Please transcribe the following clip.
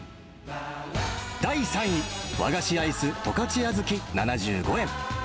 第３位、和菓子アイス、十勝あずき７５円。